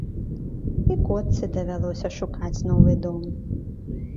І котцы давялося шукаць новы дом.